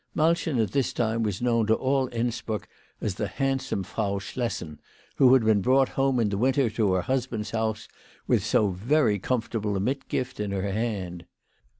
Malchen at this time was known to all Innsbruck as the handsome Frau Schlessen who had been brought home in the winter to her husband's house with so very comfortable a mitgift in her hand.